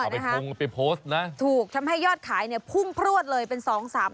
ไปพงไปโพสต์นะถูกทำให้ยอดขายเนี่ยพุ่งพรั่วต์เลยเป็นสองสาม